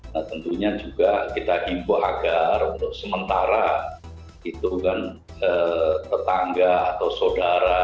nah tentunya juga kita himpuh agar untuk sementara itu kan tetangga atau saudara